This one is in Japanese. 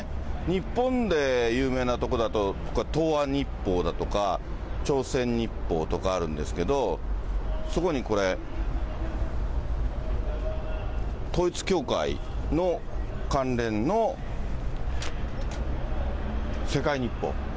日本で有名な所だと、東亞日報だとか、朝鮮日報とかあるんですけど、そこにこれ、統一教会の関連の世界日報。